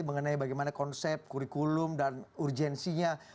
mengenai bagaimana konsep kurikulum dan urgensinya